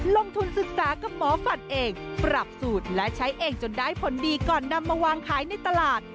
ลงทุนศึกษากับหมอฝัดเองปรับสูตรและใช้เองจนได้ผลดีก่อนนำมาวางขายในตลาด